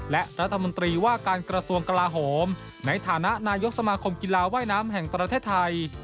และรัฐมนตรีว่าการกระทรวงกลาโหมในฐานะนายกสมาคมกีฬาว่ายน้ำแห่งประเทศไทย